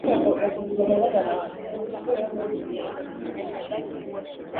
Haki ya ba mama mu kongo iko na lamuka pole pole